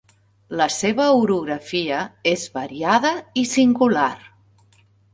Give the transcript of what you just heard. La seva orografia és variada i singular.